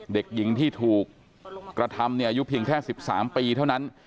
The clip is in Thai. เด็กหญิงที่ถูกกระทำเนี่ยอายุเพียงแค่สิบสามปีเท่านั้น